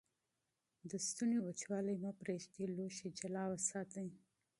د ستوني وچوالی مه پرېږدئ. لوښي جلا وساتئ.